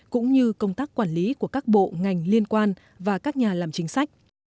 cũng như công tác quản lý của các bộ ngành liên quan và các nhà làm chính sách